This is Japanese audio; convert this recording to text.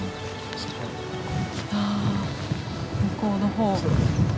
向こうの方。